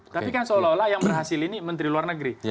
tapi kan seolah olah yang berhasil ini menteri luar negeri